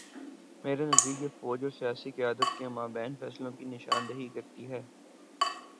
میرے نزدیک یہ فوج اور سیاسی قیادت کے مابین فاصلوں کی نشان دہی کرتی ہے۔